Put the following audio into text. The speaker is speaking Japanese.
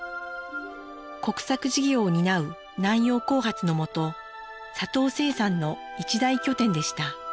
国策事業を担う南洋興発の下砂糖生産の一大拠点でした。